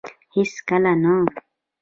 هيڅ کله نه